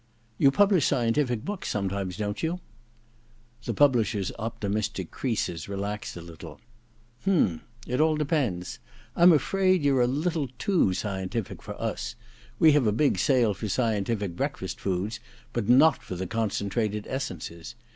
* You publish scien tific books sometimes, don't you ?' The publisher's optimistic creases relaxed a little. * H'm — it all depends — I'm afraid you're a little foo scientific for us. We have a big sale for scientific breakfast foods, but not for the concentrated essences.